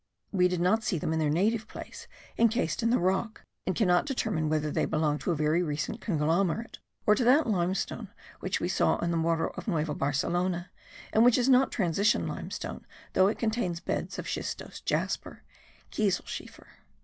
We did not see them in their native place enchased in the rock, and cannot determine whether they belong to a very recent conglomerate or to that limestone which we saw at the Morro of Nueva Barcelona, and which is not transition limestone though it contains beds of schistose jasper (kieselschiefer).